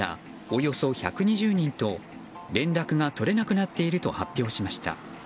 およそ１２０人と連絡が取れなくなっていると発表しました。